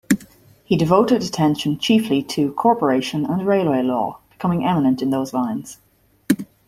He devoted attention chiefly to corporation and railway law, becoming eminent in those lines.